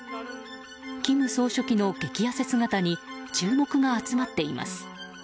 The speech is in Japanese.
金総書記の激痩せ姿に注目が集まっています。